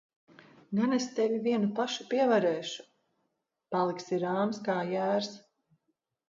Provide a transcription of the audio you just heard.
Gan es tevi vienu pašu pievarēšu! Paliksi rāms kā jērs.